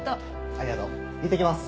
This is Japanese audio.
ありがとう。いってきます。